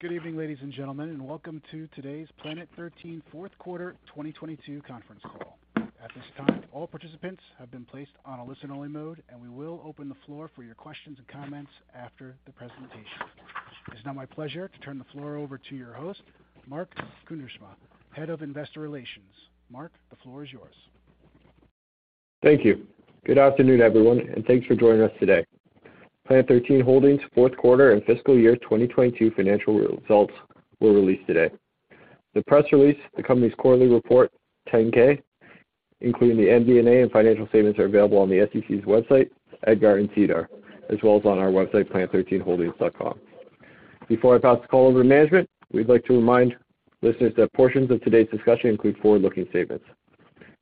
Good evening, ladies and gentlemen, and welcome to today's Planet 13 fourth quarter 2022 conference call. At this time, all participants have been placed on a listen-only mode, and we will open the floor for your questions and comments after the presentation. It's now my pleasure to turn the floor over to your host, Mark Kuindersma, Head of Investor Relations. Mark, the floor is yours. Thank you. Good afternoon, everyone, thanks for joining us today. Planet 13 Holdings fourth quarter and fiscal year 2022 financial results were released today. The press release, the company's quarterly report, 10-K, including the MD&A and financial statements are available on the SEC's website, EDGAR and SEDAR, as well as on our website, planet13holdings.com. Before I pass the call over to management, we'd like to remind listeners that portions of today's discussion include forward-looking statements.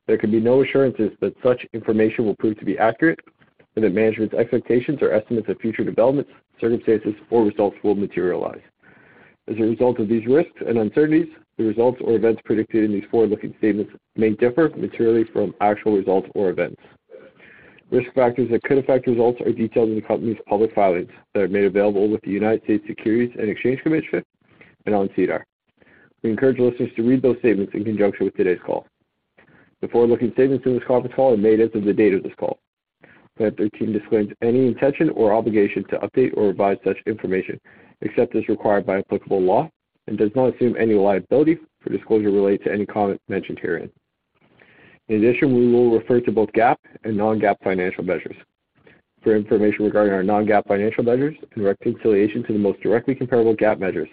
There can be no assurances that such information will prove to be accurate and that management's expectations or estimates of future developments, circumstances or results will materialize. As a result of these risks and uncertainties, the results or events predicted in these forward-looking statements may differ materially from actual results or events. Risk factors that could affect results are detailed in the company's public filings that are made available with the United States Securities and Exchange Commission and on SEDAR. We encourage listeners to read those statements in conjunction with today's call. The forward-looking statements in this conference call are made as of the date of this call. Planet 13 disclaims any intention or obligation to update or revise such information except as required by applicable law and does not assume any liability for disclosure related to any comment mentioned herein. In addition, we will refer to both GAAP and non-GAAP financial measures. For information regarding our non-GAAP financial measures and reconciliation to the most directly comparable GAAP measures,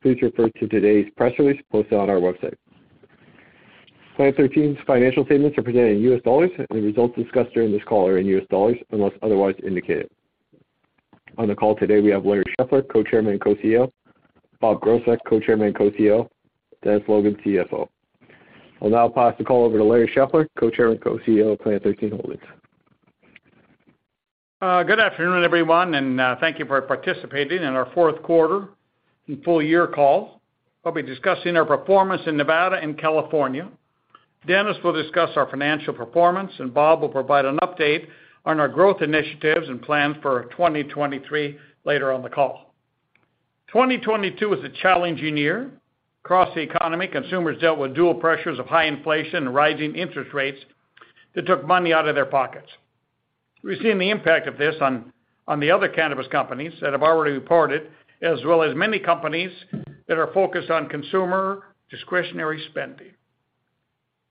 please refer to today's press release posted on our website. Planet 13's financial statements are presented in US dollars, and the results discussed during this call are in US dollars unless otherwise indicated. On the call today, we have Larry Scheffler, Co-chairman and Co-CEO, Bob Groesbeck, Co-chairman and Co-CEO, Dennis Logan, CFO. I'll now pass the call over to Larry Scheffler, Co-chairman and Co-CEO of Planet 13 Holdings. Good afternoon, everyone, and thank you for participating in our fourth quarter and full year call. I'll be discussing our performance in Nevada and California. Dennis will discuss our financial performance. Bob will provide an update on our growth initiatives and plans for 2023 later on the call. 2022 was a challenging year. Across the economy, consumers dealt with dual pressures of high inflation and rising interest rates that took money out of their pockets. We've seen the impact of this on the other cannabis companies that have already reported, as well as many companies that are focused on consumer discretionary spending.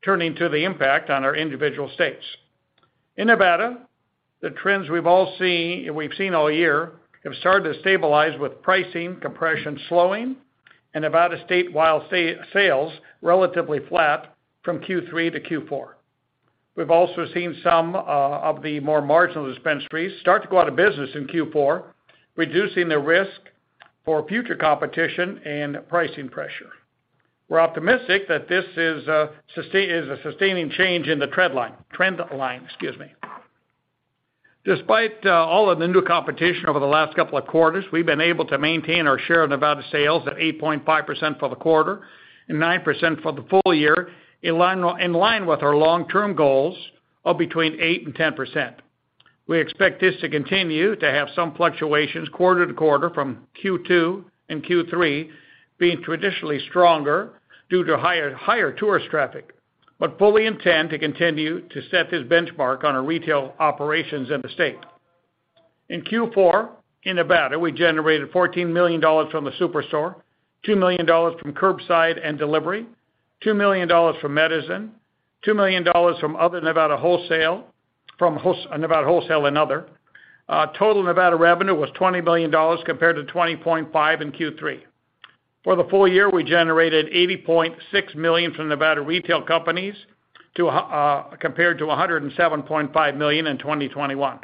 Turning to the impact on our individual states. In Nevada, the trends we've seen all year have started to stabilize with pricing compression slowing and Nevada state sales relatively flat from Q3 to Q4. We've also seen some of the more marginal dispensaries start to go out of business in Q4, reducing the risk for future competition and pricing pressure. We're optimistic that this is a sustaining change in the trend line, excuse me. Despite all of the new competition over the last couple of quarters, we've been able to maintain our share of Nevada sales at 8.5% for the quarter and 9% for the full year, in line with our long-term goals of between 8% and 10%. We expect this to continue to have some fluctuations quarter to quarter from Q2 and Q3 being traditionally stronger due to higher tourist traffic, but fully intend to continue to set this benchmark on our retail operations in the state. In Q4 in Nevada, we generated $14 million from the superstore, $2 million from curbside and delivery, $2 million from Medizin, $2 million from other Nevada wholesale and other. Total Nevada revenue was $20 million compared to 20.5 in Q3. For the full year, we generated $80.6 million from Nevada retail companies compared to $107.5 million in 2021.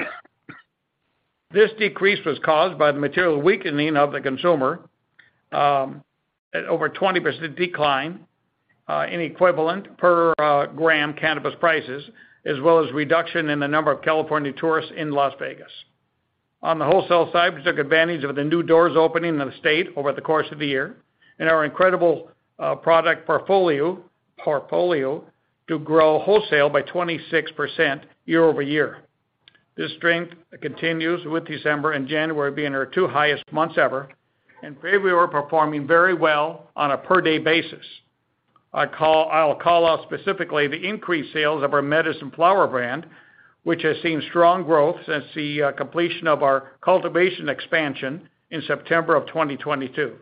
This decrease was caused by the material weakening of the consumer, at over 20% decline in equivalent per gram cannabis prices, as well as reduction in the number of California tourists in Las Vegas. On the wholesale side, we took advantage of the new doors opening in the state over the course of the year and our incredible product portfolio to grow wholesale by 26% year-over-year. This strength continues, with December and January being our two highest months ever, and February performing very well on a per-day basis. I'll call out specifically the increased sales of our Medizin flower brand, which has seen strong growth since the completion of our cultivation expansion in September of 2022.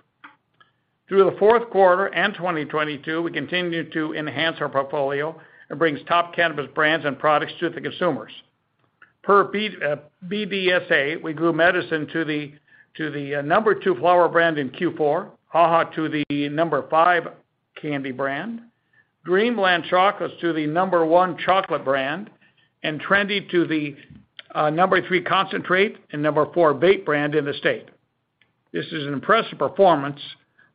Through the fourth quarter and 2022, we continued to enhance our portfolio and brings top cannabis brands and products to the consumers. Per BB-BDSA, we grew Medizin to the number two flower brand in Q4, HaHa to the number five candy brand, Dreamland Chocolates to the number one chocolate brand, and TRENDI to the number three concentrate and number four vape brand in the state. This is an impressive performance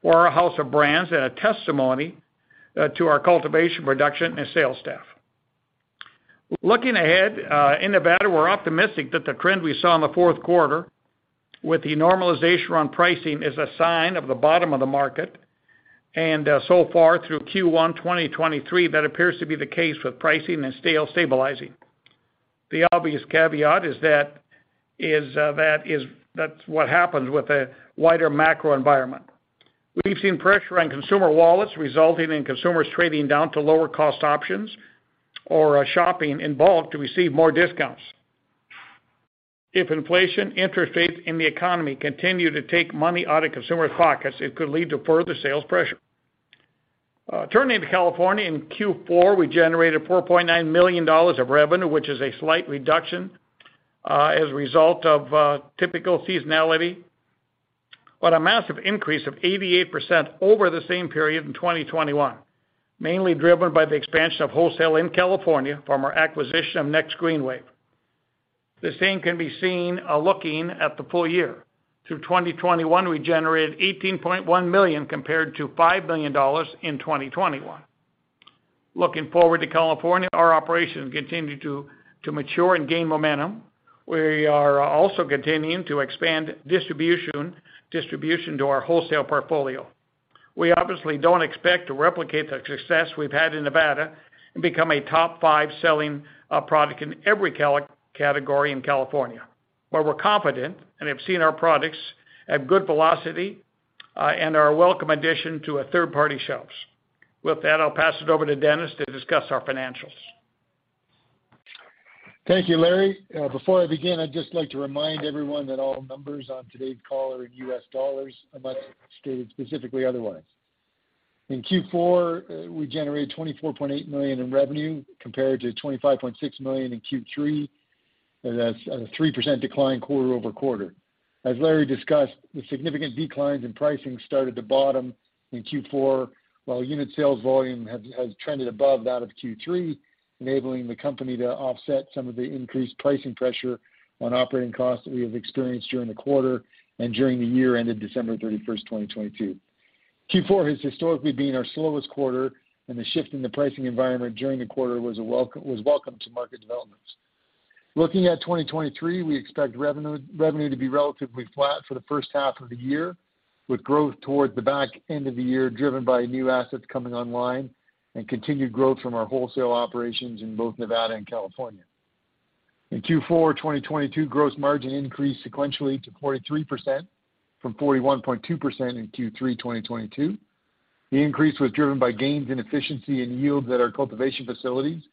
for our house of brands and a testimony to our cultivation production and sales staff. Looking ahead in Nevada, we're optimistic that the trend we saw in the fourth quarter with the normalization around pricing is a sign of the bottom of the market. So far through Q1 2023, that appears to be the case with pricing and sale stabilizing. The obvious caveat is that's what happens with a wider macro environment. We've seen pressure on consumer wallets resulting in consumers trading down to lower cost options or shopping in bulk to receive more discounts. If inflation interest rates in the economy continue to take money out of consumer pockets, it could lead to further sales pressure. Turning to California. In Q4, we generated $4.9 million of revenue, which is a slight reduction as a result of typical seasonality, but a massive increase of 88% over the same period in 2021, mainly driven by the expansion of wholesale in California from our acquisition of Next Green Wave. The same can be seen looking at the full year. Through 2021, we generated $18.1 million compared to $5 million in 2021. Looking forward to California, our operations continue to mature and gain momentum. We are also continuing to expand distribution to our wholesale portfolio. We obviously don't expect to replicate the success we've had in Nevada and become a top five selling product in every category in California. We're confident and have seen our products at good velocity and are a welcome addition to third-party shelves. With that, I'll pass it over to Dennis to discuss our financials. Thank you, Larry. Before I begin, I'd just like to remind everyone that all numbers on today's call are in US dollars, unless stated specifically otherwise. In Q4, we generated $24.8 million in revenue compared to $25.6 million in Q3. That's a 3% decline quarter-over-quarter. As Larry discussed, the significant declines in pricing started to bottom in Q4, while unit sales volume has trended above that of Q3, enabling the company to offset some of the increased pricing pressure on operating costs that we have experienced during the quarter and during the year ended December 31, 2022. Q4 has historically been our slowest quarter and the shift in the pricing environment during the quarter was welcome to market developments. Looking at 2023, we expect revenue to be relatively flat for the first half of the year, with growth towards the back end of the year driven by new assets coming online and continued growth from our wholesale operations in both Nevada and California. In Q4, 2022, gross margin increased sequentially to 43% from 41.2% in Q3, 2022. The increase was driven by gains in efficiency and yield at our cultivation facilities,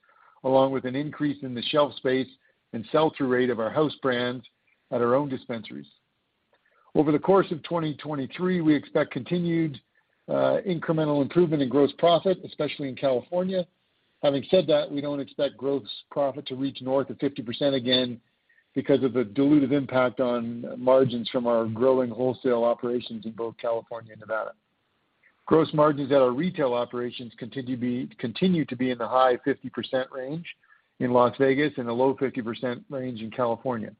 along with an increase in the shelf space and sell-through rate of our house brands at our own dispensaries. Over the course of 2023, we expect continued incremental improvement in gross profit, especially in California. Having said that, we don't expect gross profit to reach north of 50% again because of the dilutive impact on margins from our growing wholesale operations in both California and Nevada. Gross margins at our retail operations continue to be in the high 50% range in Las Vegas and a low 50% range in California.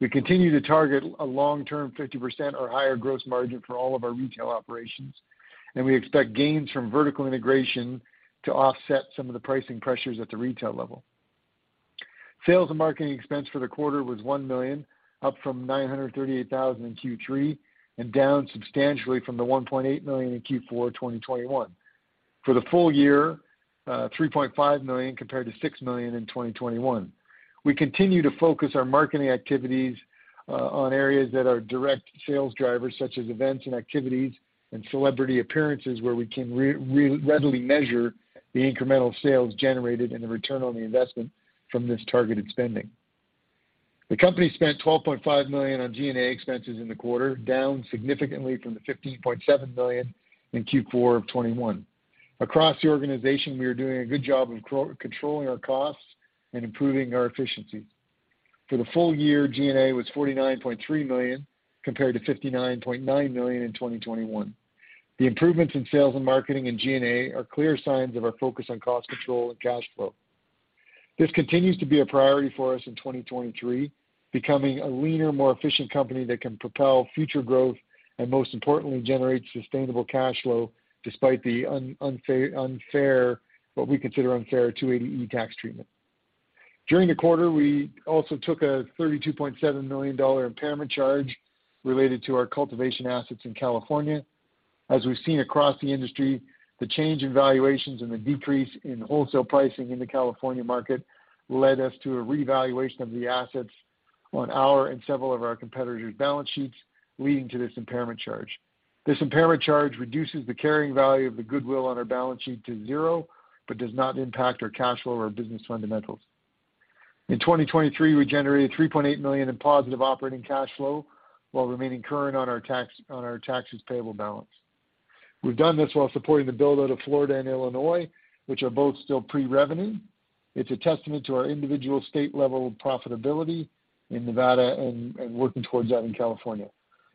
We continue to target a long-term 50% or higher gross margin for all of our retail operations, and we expect gains from vertical integration to offset some of the pricing pressures at the retail level. Sales and marketing expense for the quarter was $1 million, up from $938,000 in Q3, and down substantially from the $1.8 million in Q4 2021. For the full year, $3.5 million compared to $6 million in 2021. We continue to focus our marketing activities on areas that are direct sales drivers, such as events and activities and celebrity appearances, where we can readily measure the incremental sales generated and the return on the investment from this targeted spending. The company spent $12.5 million on G&A expenses in the quarter, down significantly from the $15.7 million in Q4 of 2021. Across the organization, we are doing a good job of controlling our costs and improving our efficiency. For the full year, G&A was $49.3 million, compared to $59.9 million in 2021. The improvements in sales and marketing and G&A are clear signs of our focus on cost control and cash flow. This continues to be a priority for us in 2023, becoming a leaner, more efficient company that can propel future growth and most importantly, generate sustainable cash flow despite the unfair, what we consider unfair, 280E tax treatment. During the quarter, we also took a $32.7 million impairment charge related to our cultivation assets in California. As we've seen across the industry, the change in valuations and the decrease in wholesale pricing in the California market led us to a revaluation of the assets on our and several of our competitors' balance sheets, leading to this impairment charge. This impairment charge reduces the carrying value of the goodwill on our balance sheet to zero, but does not impact our cash flow or business fundamentals. In 2023, we generated $3.8 million in positive operating cash flow while remaining current on our taxes payable balance. We've done this while supporting the build-out of Florida and Illinois, which are both still pre-revenue. It's a testament to our individual state level profitability in Nevada and working towards that in California.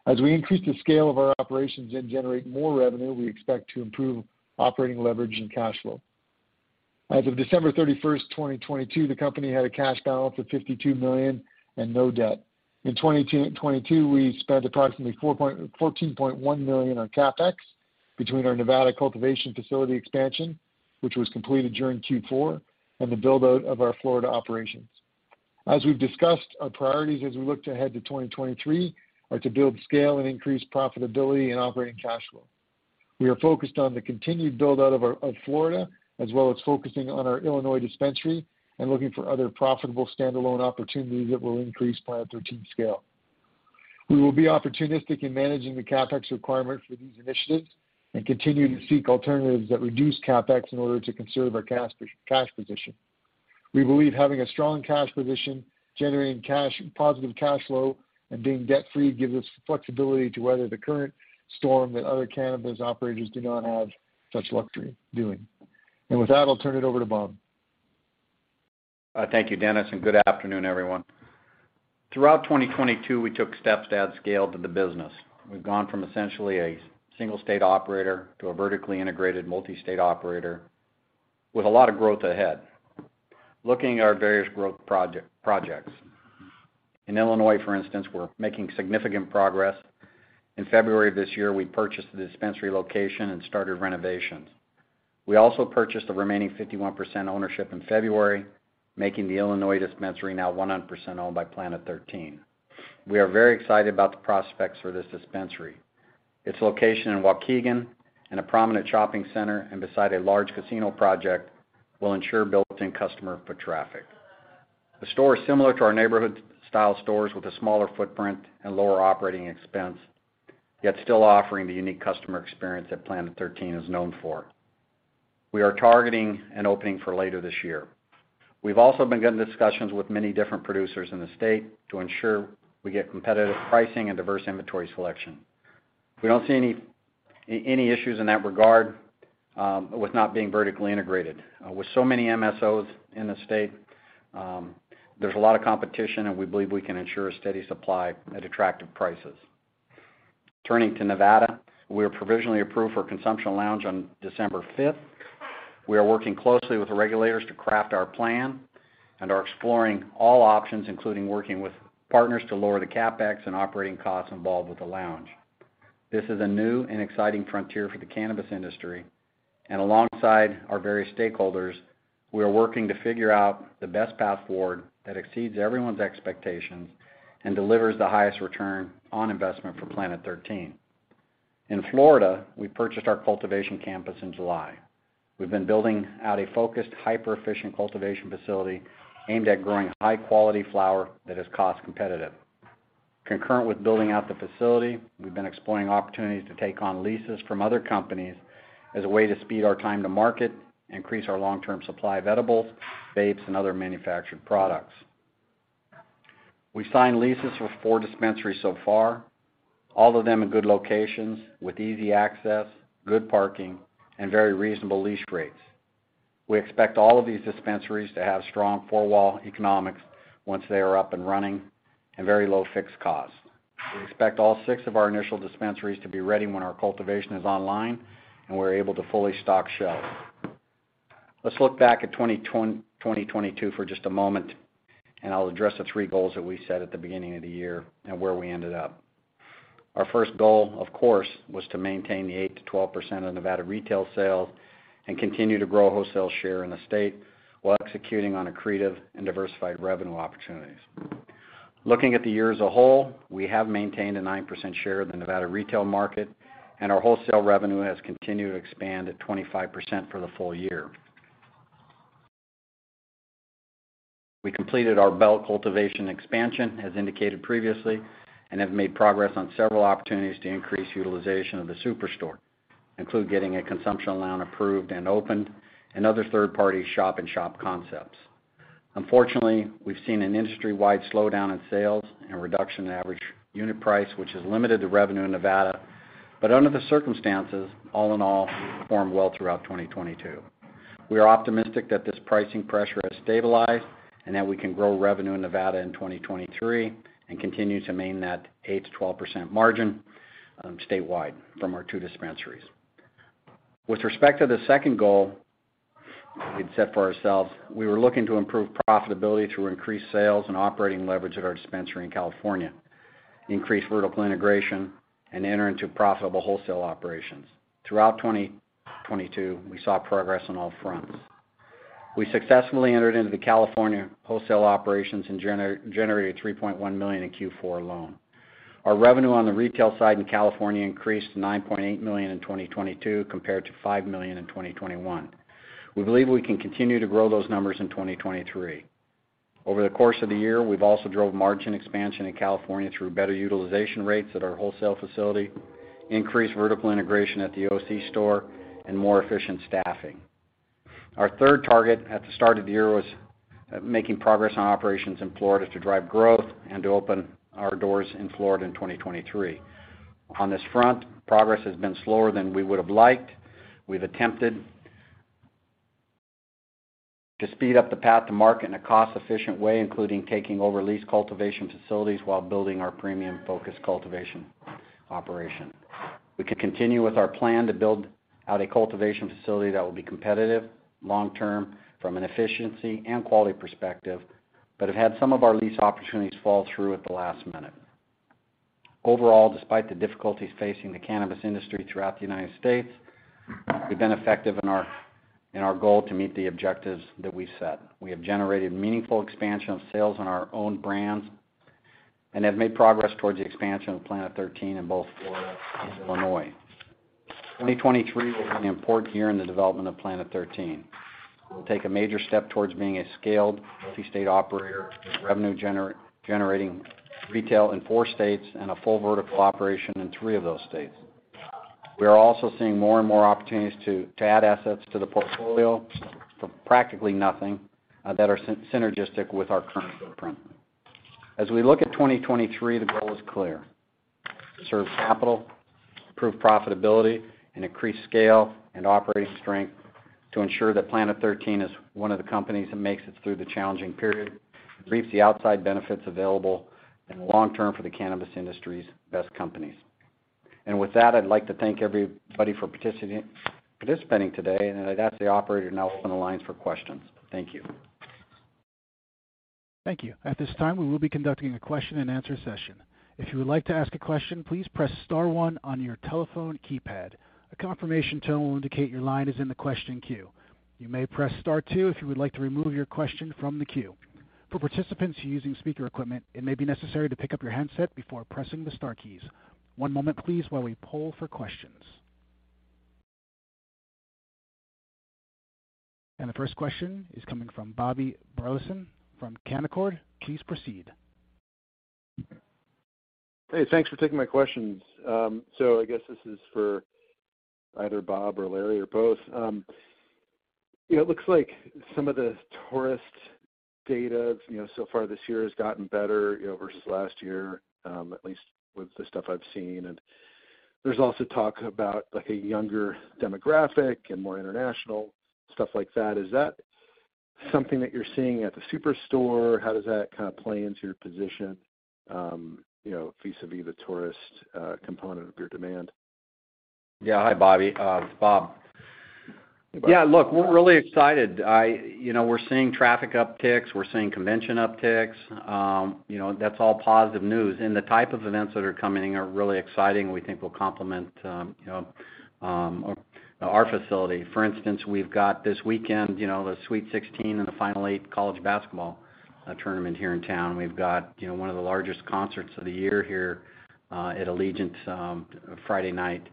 As we increase the scale of our operations and generate more revenue, we expect to improve operating leverage and cash flow. As of December 31st, 2022, the company had a cash balance of $52 million and no debt. In 2022, we spent approximately $14.1 million on CapEx between our Nevada cultivation facility expansion, which was completed during Q4, and the build-out of our Florida operations. As we've discussed, our priorities as we look to ahead to 2023 are to build scale and increase profitability and operating cash flow. We are focused on the continued build-out of Florida, as well as focusing on our Illinois dispensary and looking for other profitable standalone opportunities that will increase Planet 13's scale. We will be opportunistic in managing the CapEx requirements for these initiatives and continue to seek alternatives that reduce CapEx in order to conserve our cash position. We believe having a strong cash position, generating positive cash flow, and being debt-free gives us flexibility to weather the current storm that other cannabis operators do not have such luxury doing. With that, I'll turn it over to Bob. Thank you, Dennis. Good afternoon, everyone. Throughout 2022, we took steps to add scale to the business. We've gone from essentially a single state operator to a vertically integrated multi-state operator with a lot of growth ahead. Looking at our various growth projects, in Illinois, for instance, we're making significant progress. In February of this year, we purchased the dispensary location and started renovations. We also purchased the remaining 51% ownership in February, making the Illinois dispensary now 100% owned by Planet 13. We are very excited about the prospects for this dispensary. Its location in Waukegan, in a prominent shopping center and beside a large casino project, will ensure built-in customer foot traffic. The store is similar to our neighborhood-style stores with a smaller footprint and lower operating expense, yet still offering the unique customer experience that Planet 13 is known for. We are targeting an opening for later this year. We've also begun discussions with many different producers in the state to ensure we get competitive pricing and diverse inventory selection. We don't see any issues in that regard, with not being vertically integrated. With so many MSOs in the state, there's a lot of competition, and we believe we can ensure a steady supply at attractive prices. Turning to Nevada, we were provisionally approved for a consumption lounge on December 5th. We are working closely with the regulators to craft our plan and are exploring all options, including working with partners to lower the CapEx and operating costs involved with the lounge. This is a new and exciting frontier for the cannabis industry, and alongside our various stakeholders, we are working to figure out the best path forward that exceeds everyone's expectations and delivers the highest ROI for Planet 13. In Florida, we purchased our cultivation campus in July. We've been building out a focused, hyper-efficient cultivation facility aimed at growing high-quality flower that is cost competitive. Concurrent with building out the facility, we've been exploring opportunities to take on leases from other companies as a way to speed our time to market, increase our long-term supply of edibles, vapes, and other manufactured products. We've signed leases with four dispensaries so far, all of them in good locations with easy access, good parking, and very reasonable lease rates. We expect all of these dispensaries to have strong four-wall economics once they are up and running and very low fixed costs. We expect all six of our initial dispensaries to be ready when our cultivation is online, and we're able to fully stock shelves. Let's look back at 2022 for just a moment. I'll address the three goals that we set at the beginning of the year and where we ended up. Our first goal, of course, was to maintain the 8%-12% of Nevada retail sales and continue to grow wholesale share in the state while executing on accretive and diversified revenue opportunities. Looking at the year as a whole, we have maintained a 9% share of the Nevada retail market. Our wholesale revenue has continued to expand at 25% for the full year. We completed our Bell cultivation expansion, as indicated previously, and have made progress on several opportunities to increase utilization of the SuperStore, include getting a consumption lounge approved and opened and other third-party shop-in-shop concepts. Unfortunately, we've seen an industry-wide slowdown in sales and a reduction in average unit price, which has limited the revenue in Nevada, but under the circumstances, all in all, performed well throughout 2022. We are optimistic that this pricing pressure has stabilized and that we can grow revenue in Nevada in 2023 and continue to maintain that 8%-12% margin statewide from our two dispensaries. With respect to the second goal we'd set for ourselves, we were looking to improve profitability through increased sales and operating leverage at our dispensary in California, increase vertical integration, and enter into profitable wholesale operations. Throughout 2022, we saw progress on all fronts. We successfully entered into the California wholesale operations and generated $3.1 million in Q4 alone. Our revenue on the retail side in California increased to $9.8 million in 2022 compared to $5 million in 2021. We believe we can continue to grow those numbers in 2023. Over the course of the year, we've also drove margin expansion in California through better utilization rates at our wholesale facility, increased vertical integration at the OC store, and more efficient staffing. Our third target at the start of the year was making progress on operations in Florida to drive growth and to open our doors in Florida in 2023. On this front, progress has been slower than we would have liked. We've attempted to speed up the path to market in a cost-efficient way, including taking over leased cultivation facilities while building our premium-focused cultivation operation. We can continue with our plan to build out a cultivation facility that will be competitive long term from an efficiency and quality perspective, but have had some of our lease opportunities fall through at the last minute. Overall, despite the difficulties facing the cannabis industry throughout the United States, we've been effective in our goal to meet the objectives that we set. We have generated meaningful expansion of sales on our own brands. Have made progress towards the expansion of Planet 13 in both Florida and Illinois. 2023 will be an important year in the development of Planet 13. We'll take a major step towards being a scaled multi-state operator with revenue generating retail in four states and a full vertical operation in three of those states. We are also seeing more and more opportunities to add assets to the portfolio from practically nothing, that are synergistic with our current footprint. As we look at 2023, the goal is clear: conserve capital, improve profitability, and increase scale and operating strength to ensure that Planet 13 is one of the companies that makes it through the challenging period, and reaps the outside benefits available in the long term for the cannabis industry's best companies. With that, I'd like to thank everybody for participating today, and I'd ask the operator now open the lines for questions. Thank you. Thank you. At this time, we will be conducting a question-and-answer session. If you would like to ask a question, please press star one on your telephone keypad. A confirmation tone will indicate your line is in the question queue. You may press star two if you would like to remove your question from the queue. For participants using speaker equipment, it may be necessary to pick up your handset before pressing the star keys. One moment please, while we poll for questions. The first question is coming from Bobby Burleson from Canaccord Genuity. Please proceed. Hey, thanks for taking my questions. So I guess this is for either Bob or Larry or both. You know, it looks like some of the tourist data, you know, so far this year has gotten better, you know, versus last year, at least with the stuff I've seen. There's also talk about like a younger demographic and more international stuff like that. Is that something that you're seeing at the SuperStore? How does that kind of play into your position, you know, vis-a-vis the tourist component of your demand? Yeah. Hi, Bobby. It's Bob. Bob. Yeah, look, we're really excited. You know, we're seeing traffic upticks. We're seeing convention upticks. You know, that's all positive news. The type of events that are coming are really exciting, and we think will complement, you know, our facility. For instance, we've got this weekend, you know, the Sweet Sixteen and the Elite Eight college basketball tournament here in town. We've got, you know, one of the largest concerts of the year here, at Allegiant, Friday night.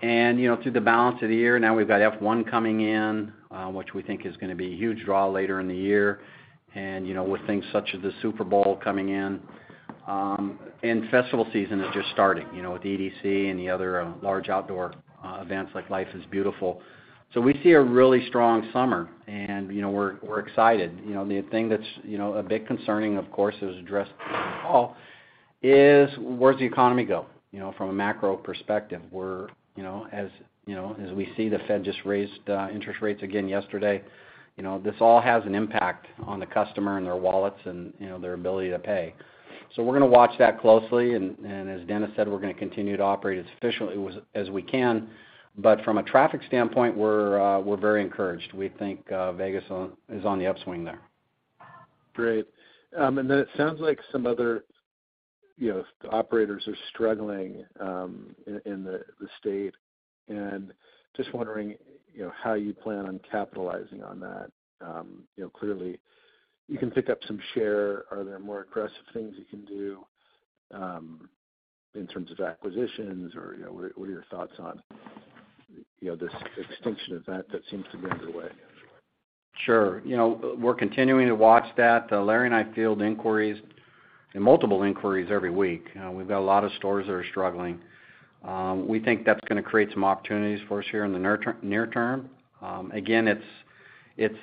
You know, through the balance of the year, now we've got F1 coming in, which we think is gonna be a huge draw later in the year. h things such as the Super Bowl coming in, and festival season is just starting, you know, with EDC and the other large outdoor events like Life is Beautiful. So we see a really strong summer, and, you know, we're excited. You know, the thing that's, you know, a bit concerning, of course, is addressed in the call, is where does the economy go, you know, from a macro perspective? We're, you know, as, you know, as we see the Fed just raised interest rates again yesterday. You know, this all has an impact on the customer and their wallets and, you know, their ability to pay. So we're going to watch that closely, and as Dennis said, we're going to continue to operate as efficiently as we can. But from a traffic standpoint, we're very encouraged. We think, Vegas is on the upswing there. Great. It sounds like some other, you know, operators are struggling in the state. Just wondering, you know, how you plan on capitalizing on that. You know, clearly you can pick up some share. Are there more aggressive things you can do in terms of acquisitions or, you know, what are, what are your thoughts on, you know, this extinction event that seems to be underway? Sure. You know, we're continuing to watch that. Larry and I field inquiries and multiple inquiries every week. We've got a lot of stores that are struggling. We think that's gonna create some opportunities for us here in the near term. Again, it's,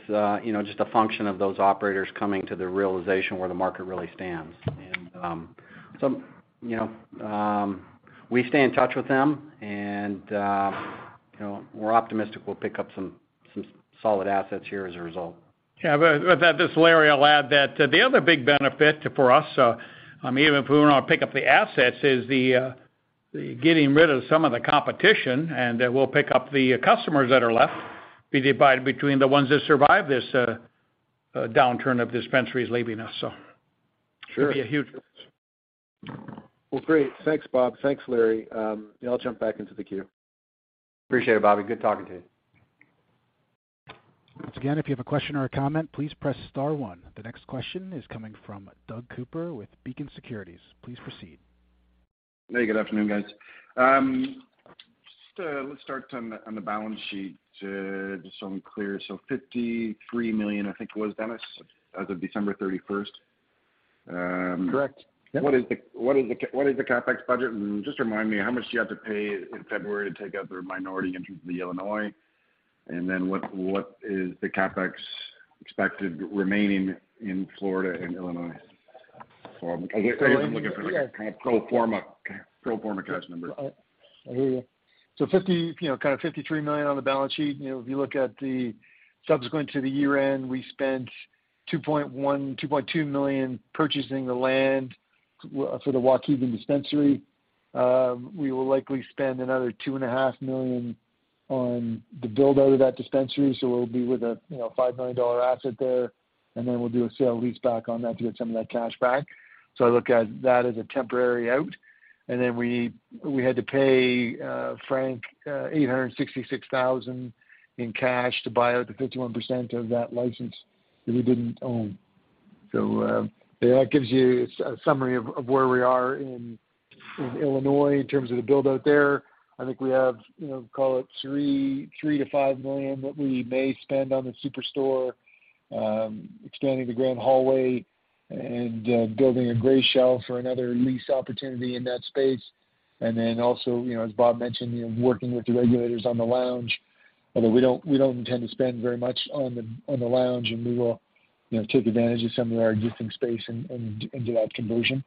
you know, just a function of those operators coming to the realization where the market really stands. Some, you know, We stay in touch with them and, you know, we're optimistic we'll pick up some solid assets here as a result. Yeah. With that, this is Larry. I'll add that the other big benefit for us, even if we don't pick up the assets, is the getting rid of some of the competition, and we'll pick up the customers that are left, be divided between the ones that survive this downturn of dispensaries leaving us, so. Sure. It'd be a huge difference. Great. Thanks, Bob. Thanks, Larry. Yeah, I'll jump back into the queue. Appreciate it, Bobby. Good talking to you. Once again, if you have a question or a comment, please press star one. The next question is coming from Doug Cooper with Beacon Securities. Please proceed. Hey, good afternoon, guys. Just let's start on the balance sheet just so I'm clear. $53 million, I think it was, Dennis, as of December 31st. Correct. Yep. What is the CapEx budget? Just remind me, how much do you have to pay in February to take out the minority interest of the Illinois? What is the CapEx expected remaining in Florida and Illinois? I'm, I guess I'm looking for like a kind of pro forma cash number. I hear you. Fifty, you know, kind of $53 million on the balance sheet. You know, if you look at the subsequent to the year-end, we spent $2.1 million-$2.2 million purchasing the land for the Waukegan dispensary. We will likely spend another $2.5 million on the build out of that dispensary, so we'll be with a, you know, $5 million asset there. Then we'll do a sale leaseback on that to get some of that cash back. I look at that as a temporary out. Then we had to pay Frank $866,000 in cash to buy out the 51% of that license that we didn't own. That gives you a summary of where we are in Illinois in terms of the build out there. I think we have, you know, call it $3 million-$5 million that we may spend on the superstore, extending the grand hallway and building a gray shell for another lease opportunity in that space. Also, you know, as Bob mentioned, you know, working with the regulators on the lounge, although we don't intend to spend very much on the lounge, and we will, you know, take advantage of some of our existing space and do that conversion.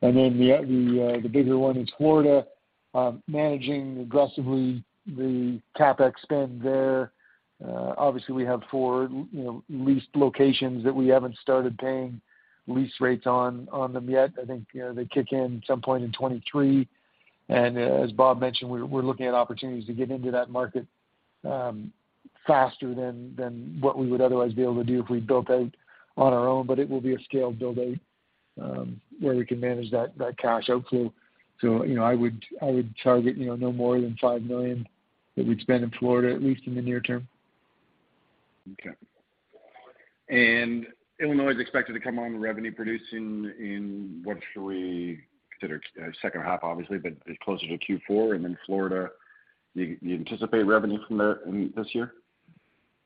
The bigger one in Florida, managing aggressively the CapEx spend there. Obviously, we have four, you know, leased locations that we haven't started paying lease rates on them yet. I think, you know, they kick in some point in 2023. As Bob mentioned, we're looking at opportunities to get into that market faster than what we would otherwise be able to do if we built out on our own. It will be a scaled build-out where we can manage that cash outflow. You know, I would target, you know, no more than $5 million that we'd spend in Florida, at least in the near term. Okay. Illinois is expected to come on revenue producing in what should we consider it, second half, obviously, but closer to Q4. Florida, you anticipate revenue from there in this year?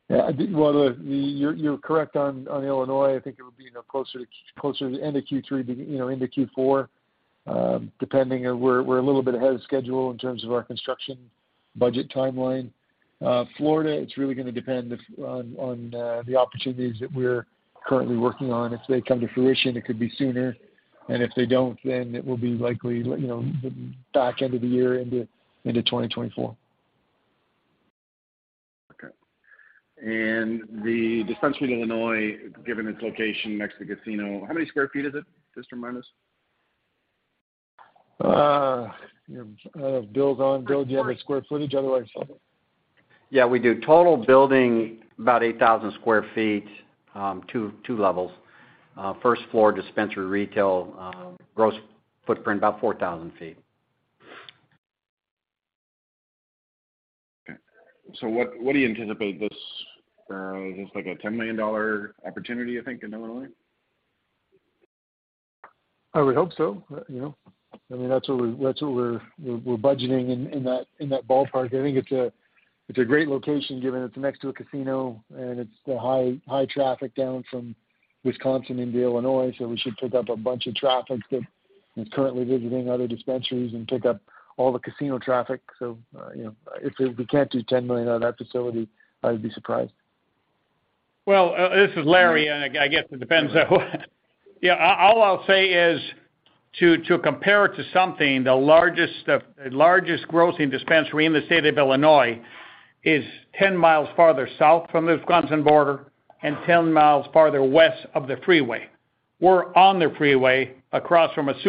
Yeah, well, you're correct on Illinois. I think it would be, you know, closer to the end of Q3, you know, into Q4, depending on where we're a little bit ahead of schedule in terms of our construction budget timeline. Florida, it's really gonna depend if, on the opportunities that we're currently working on. If they come to fruition, it could be sooner. If they don't, then it will be likely, you know, back end of the year into 2024. Okay. The dispensary in Illinois, given its location next to a casino, how many sq ft is it, just around us? Bill is on. Bill, do you have a square footage on that yourself? Yeah, we do. Total building, about 8,000 sq ft, two levels. First floor dispensary retail, gross footprint about 4,000 feet. Okay. What do you anticipate this, is this like a $10 million opportunity, you think, in Illinois? I would hope so. You know, I mean, that's what we're budgeting in that ballpark. I think it's a great location, given it's next to a casino and it's the high, high traffic down from Wisconsin into Illinois. We should pick up a bunch of traffic that is currently visiting other dispensaries and pick up all the casino traffic. You know, if we can't do $10 million on that facility, I'd be surprised. Well, this is Larry, I guess it depends on yeah, all I'll say is to compare it to something, the largest grossing dispensary in the state of Illinois is 10 miles farther south from the Wisconsin border and 10 miles farther west of the freeway. We're on the freeway across from a Walmart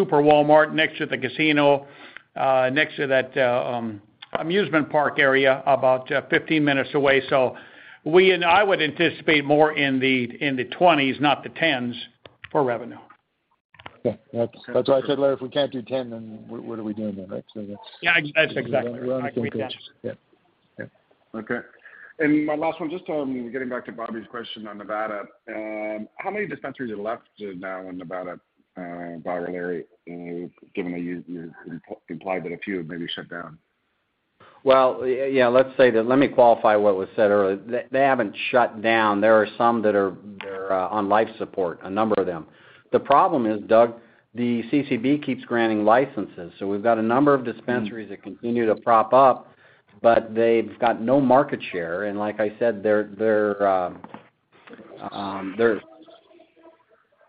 Supercenter next to the casino, next to that amusement park area about 15 minutes away. We and I would anticipate more in the 20s, not the 10s for revenue. That's why I said, Larry, if we can't do 10, then what are we doing then? Right. Yeah, that's exactly right. We're on the same page. Yeah. Okay. My last one, just on getting back to Bobby's question on Nevada, how many dispensaries are left now in Nevada, Bob or Larry, given that you implied that a few have maybe shut down? Yeah, let me qualify what was said earlier. They haven't shut down. There are some that they're on life support, a number of them. The problem is, Doug, the CCB keeps granting licenses. We've got a number of dispensaries that continue to prop up, but they've got no market share. Like I said, their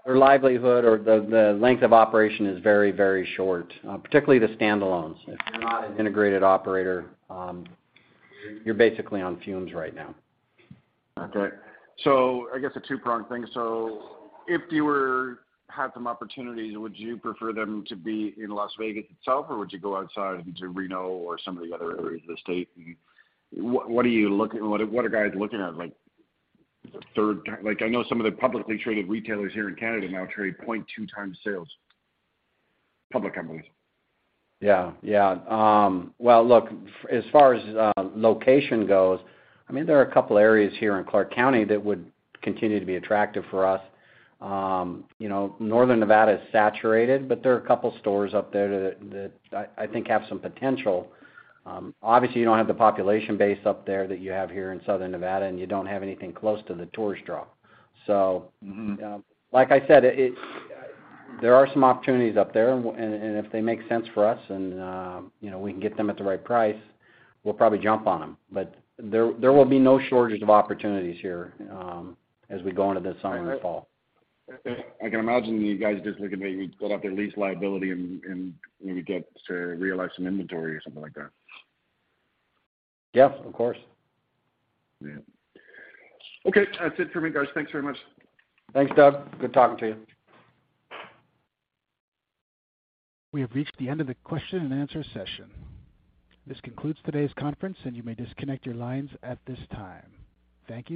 livelihood or the length of operation is very short, particularly the standalones. If you're not an integrated operator, you're basically on fumes right now. I guess a two-pronged thing. If you were had some opportunities, would you prefer them to be in Las Vegas itself, or would you go outside into Reno or some of the other areas of the state? What are guys looking at? Like, the third time. Like, I know some of the publicly traded retailers here in Canada now trade 0.2 times sales. Public companies. Yeah. Yeah. Well, look, as far as location goes, I mean, there are a couple areas here in Clark County that would continue to be attractive for us. You know, Northern Nevada is saturated, there are a couple stores up there that I think have some potential. Obviously, you don't have the population base up there that you have here in Southern Nevada, you don't have anything close to the tourist draw. Mm-hmm. Like I said, it, there are some opportunities up there, and if they make sense for us and, you know, we can get them at the right price, we'll probably jump on them. There will be no shortage of opportunities here, as we go into this summer and fall. I can imagine you guys just looking at maybe build up your lease liability and, you know, get to realize some inventory or something like that. Yeah, of course. Yeah. Okay, that's it for me, guys. Thanks very much. Thanks, Doug. Good talking to you. We have reached the end of the question and answer session. This concludes today's conference, and you may disconnect your lines at this time. Thank you.